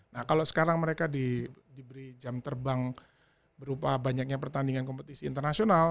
nah kalau sekarang mereka diberi jam terbang berupa banyaknya pertandingan kompetisi internasional